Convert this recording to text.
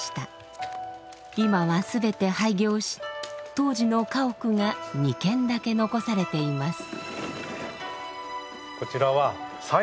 今は全て廃業し当時の家屋が２軒だけ残されています。